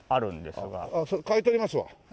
それ買い取りますわ。